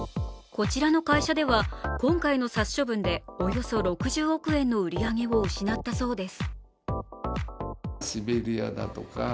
こちらの会社では今回の殺処分でおよそ６０億円の売り上げを失ったそうです。